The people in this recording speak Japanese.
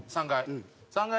３階。